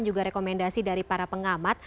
juga rekomendasi dari para pengamat